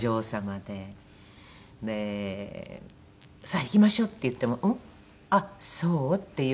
で「さあ行きましょう！」って言っても「うん？あっそう？」っていう